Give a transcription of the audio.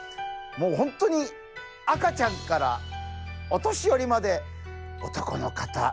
もうほんとに赤ちゃんからお年寄りまで男の方